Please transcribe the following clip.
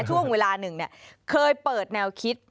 ช่วงเวลาหนึ่งเคยเปิดแนวคิด